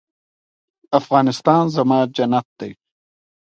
افغانستان زما جنت دی؟